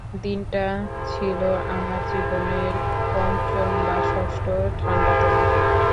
দিনটা ছিল আমার জীবনের পঞ্চম বা ষষ্ঠ ঠান্ডাতম দিন।